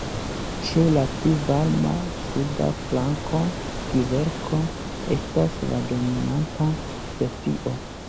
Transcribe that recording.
Ĉe la pli varma suda flanko kverko estas la dominanta specio.